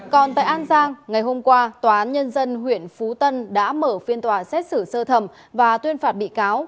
còn tại an giang ngày hôm qua tòa án nhân dân huyện phú tân đã mở phiên tòa xét xử sơ thẩm và tuyên phạt bị cáo